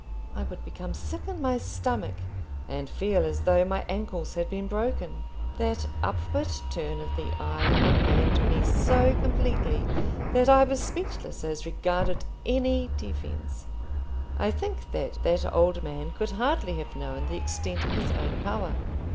I would become sick in my stomach, and feel as though my ankles had been broken. That upward turn of the eye unmanned me so completely that I was speechless as regarded any defence. I think that that old man could hardly have known the extent of his own power.